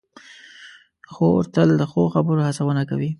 خور تل د ښو خبرو هڅونه کوي.